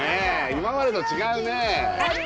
今までと違うね。